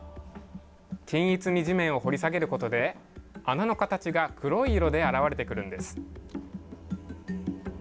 均一に地面を掘り下げることで穴の形が黒い色で現れてくるんです。